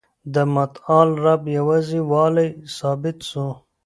د متعال رب یوازي والی ثابت سو.